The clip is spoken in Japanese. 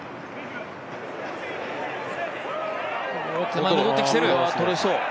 手前に戻ってきてる。